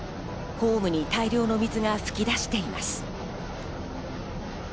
ホームに大量の水が噴き出しています。